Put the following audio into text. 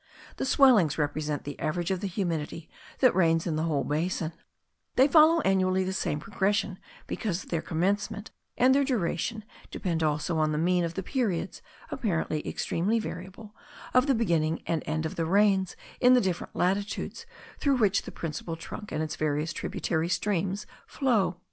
The swellings represent the average of the humidity that reigns in the whole basin; they follow annually the same progression because their commencement and their duration depend also on the mean of the periods, apparently extremely variable, of the beginning and end of the rains in the different latitudes through which the principal trunk and its various tributary streams flow.